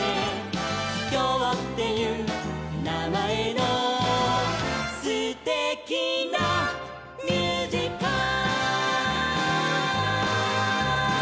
「きょうっていうなまえのすてきなミュージカル」